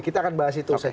kita akan bahas itu